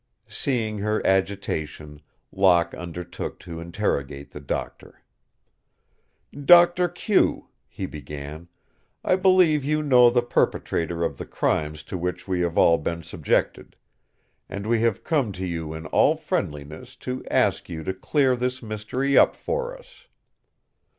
Seeing her agitation, Locke undertook to interrogate the doctor. "Doctor Q," he began, "I believe you know the perpetrator of the crimes to which we have all been subjected, and we have come to you in all friendliness to ask you to clear this mystery up for us.